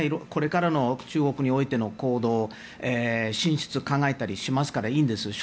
これからの中国においての行動進出を考えたりするからいいんです。